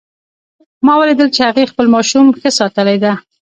ما ولیدل چې هغې خپل ماشوم ښه ساتلی ده